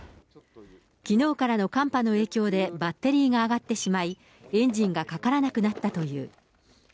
きのうからの寒波の影響で、バッテリーが上がってしまい、エンジンがかからなくなったという。